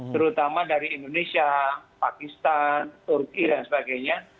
terutama dari indonesia pakistan turki dan sebagainya